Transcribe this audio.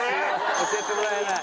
教えてもらえない。